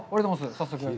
早速。